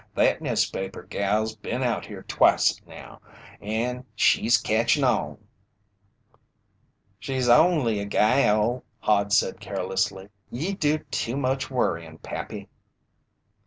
"That newspaper gal's been out here twict now, and she's catchin' on!" "She's only a gal," Hod said carelessly. "Ye do too much worryin', Pappy."